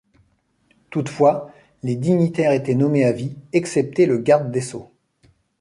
Toutefois les dignitaires étaient nommés à vie, excepté le garde des sceaux.